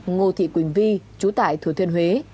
ngô thị quỳnh vi chú tại thứa thiên huế